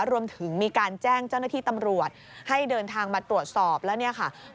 รวมถึงมีการแจ้งเจ้าหน้าที่ตำรวจให้เดินทางมาตรวจสอบแล้วเนี่ยค่ะ